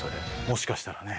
「もしかしたらね」。